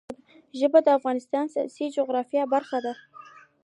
ژبې د افغانستان د سیاسي جغرافیه برخه ده.